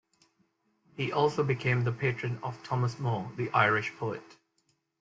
He also became the patron of Thomas Moore, the Irish poet.